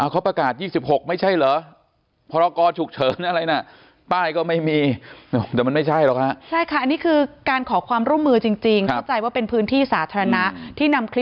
เขาประกาศ๒๖ไม่ใช่เหรอ